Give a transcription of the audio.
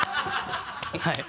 はい。